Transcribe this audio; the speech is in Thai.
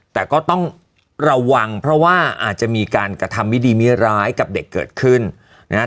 แต่ก็ต้องระวังเพราะว่าอาจจะมีการกระทำมิดีมิร้ายกับเด็กเกิดขึ้นนะฮะ